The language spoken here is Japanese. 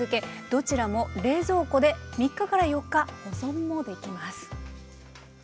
どちらも冷蔵庫で３日から４日保存もできます。